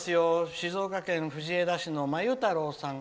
静岡県藤枝市のまゆたろうさん。